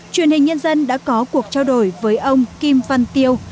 truyền hình nhân dân đã có cuộc trao đổi với ông kim văn tiêu